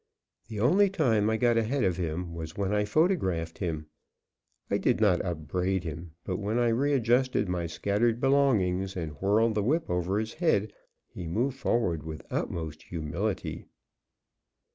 The only time I got ahead of him was when I photographed him. I did not upbraid him, but when I readjusted my scattered belongings and whirled the whip over his head, he moved forward with utmost humility.